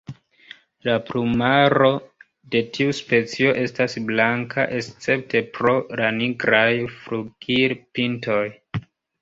La plumaro de tiu specio estas blanka escepte pro la nigraj flugilpintoj.